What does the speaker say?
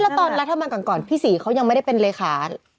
แล้วตอนรัฐบาลก่อนพี่ศรีเขายังไม่ได้เป็นเลขา